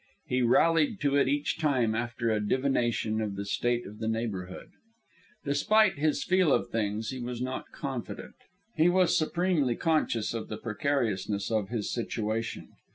He rallied to it each time after a divination of the state of the neighbourhood. Despite his feel of things, he was not confident. He was supremely conscious of the precariousness of his situation.